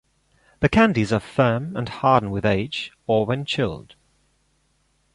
The candies are firm and harden with age or when chilled.